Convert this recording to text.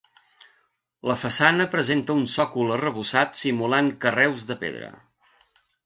La façana presenta un sòcol arrebossat simulant carreus de pedra.